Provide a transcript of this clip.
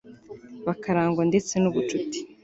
bakarangwa ndetse n'ubucuti